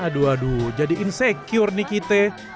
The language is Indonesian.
aduh aduh jadi insecure nih kita